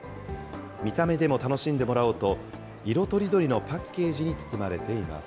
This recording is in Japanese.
見た目でも楽しんでもらおうと、色とりどりのパッケージに包まれています。